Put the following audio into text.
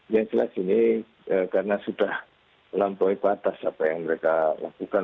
yang jelas ini karena sudah melampaui batas apa yang mereka lakukan